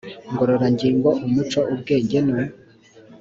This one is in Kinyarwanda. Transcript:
ngororangingo umuco ubwenge no